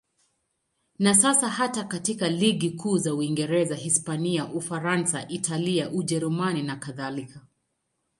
Na sasa hata katika ligi kuu za Uingereza, Hispania, Ufaransa, Italia, Ujerumani nakadhalika.